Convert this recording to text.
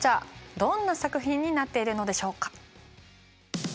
どんな作品になっているのでしょうか。